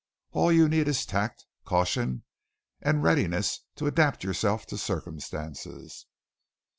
All you need is tact, caution, and readiness to adapt yourself to circumstances."